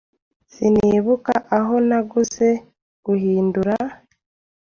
Sinibuka aho naguze. (guhindura)